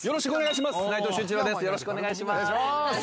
よろしくお願いします。